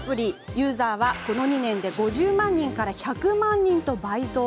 ユーザーはこの２年間で５０万人から１００万人に倍増。